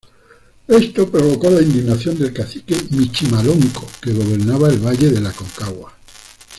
Esto provocó la indignación del cacique Michimalonco, que gobernaba el valle del Aconcagua.